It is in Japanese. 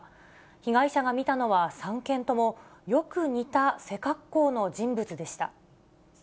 被害者が見たのは３件ともよく似た背格好の人物でした。